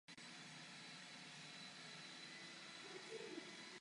Nachází se na nároží ulice uprostřed parcely a je obklopena velkou zahradou.